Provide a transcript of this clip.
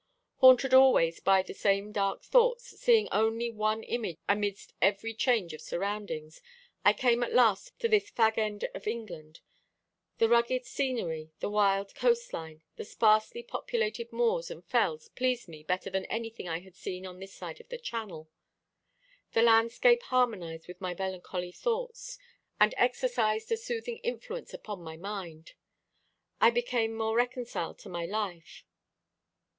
"Haunted always by the same dark thoughts, seeing only one image amidst every change of surroundings, I came at last to this fag end of England. The rugged scenery, the wild coast line, the sparsely populated moors and fells pleased me better than anything I had seen on this side of the Channel. The landscape harmonised with my melancholy thoughts, and exercised a soothing influence upon my mind. I became more reconciled to my life.